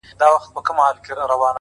چا کــــــړے یارانو پــۀ چــا زېرے دے؟